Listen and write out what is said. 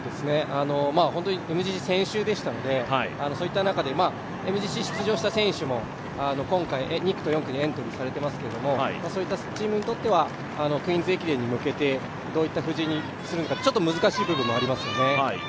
本当にＭＧＣ先週でしたので、ＭＧＣ出場した選手も今回、２区と４区にエントリーされていますけど、そういったチームにとってはクイーンズ駅伝に向けて、どういった布陣にするのか難しい面もありますね。